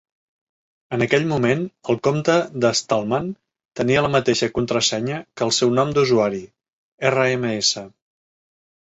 En aquell moment, el compte de Stallman tenia la mateixa contrasenya que el seu nom d'usuari: "rms".